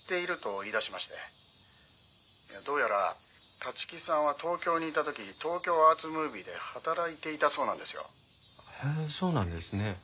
「どうやら立木さんは東京にいた時東京アーツムービーで働いていたそうなんですよ」へえそうなんですね。